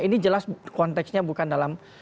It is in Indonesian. ini jelas konteksnya bukan dalam